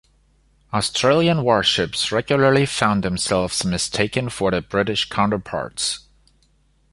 Australian warships regularly found themselves mistaken for their British counterparts.